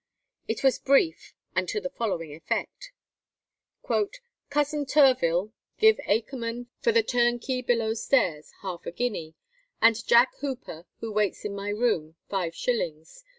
It was brief, and to the following effect: "Cousin Turvill, give Mr. Akerman, for the turnkey below stairs, half a guinea, and Jack Hooper, who waits in my room, five shillings.